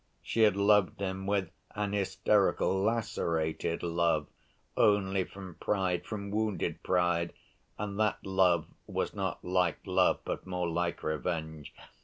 She had loved him with an hysterical, "lacerated" love only from pride, from wounded pride, and that love was not like love, but more like revenge.